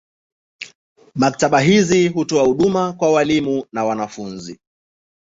Maktaba hizi hutoa huduma kwa walimu na wanafunzi.